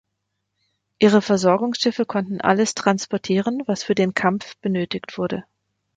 Ihre Versorgungsschiffe konnten alles transportieren was für den Kampf benötigt wurde.